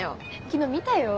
昨日見たよ。